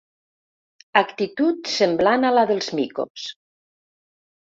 Actitud semblant a la dels micos.